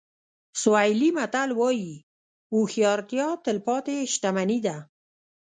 سوهیلي متل وایي هوښیارتیا تلپاتې شتمني ده.